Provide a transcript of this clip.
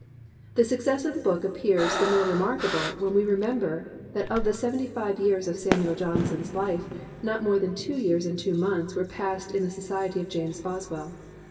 The success of the book appears the more re markable when we remember that of the seventy five years of Samuel Johnson's life not more than two years and two months were passed in the so ciety of James Boswell.